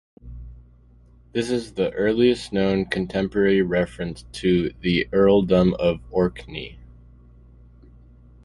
This is the earliest known contemporary reference to the earldom of Orkney.